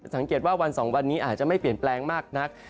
สังเกตว่าวันสองวันนี้อาจจะไม่เปลี่ยนแปลงมากนัก